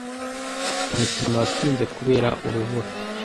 Umukino watinze kubera urubura.